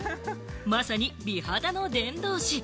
まさに美肌の伝道師！